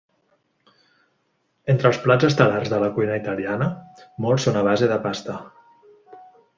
Entre els plats estel·lars de la cuina italiana, molts són a base de pasta.